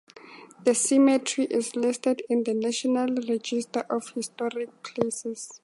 The cemetery is listed in the National Register of Historic Places.